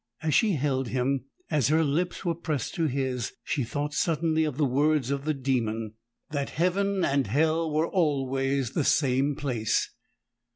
As she held him, as her lips were pressed to his, she thought suddenly of the words of the demon, that Heaven and Hell were always the same place.